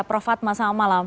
prof fatma selamat malam